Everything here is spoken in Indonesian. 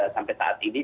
sampai saat ini